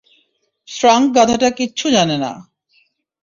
শ্রাঙ্ক গাধাটা কিচ্ছু জানে না।